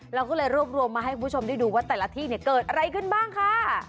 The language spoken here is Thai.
เราก็เลยรวบรวมมาให้คุณผู้ชมได้ดูว่าแต่ละที่เนี่ยเกิดอะไรขึ้นบ้างค่ะ